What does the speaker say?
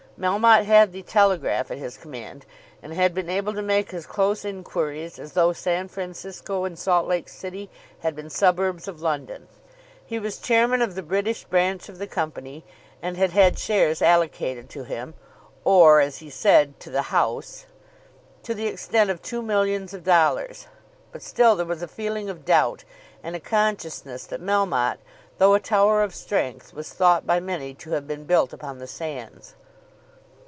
Melmotte had the telegraph at his command, and had been able to make as close inquiries as though San Francisco and Salt Lake City had been suburbs of London. He was chairman of the British branch of the Company, and had had shares allocated to him, or as he said to the house, to the extent of two millions of dollars. But still there was a feeling of doubt, and a consciousness that Melmotte, though a tower of strength, was thought by many to have been built upon the sands.